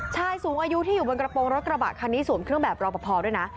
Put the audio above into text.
ชายสูงอายุที่อยู่บนกระโปรงรถกระบะคันนี้สวมเครื่องแบบรอปภด้วยนะ